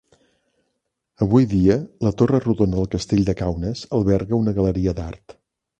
Avui dia la torre rodona del castell de Kaunas alberga una galeria d'art.